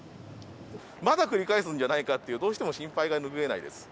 まだ繰り返すんじゃないかって、どうしても心配が拭えないです。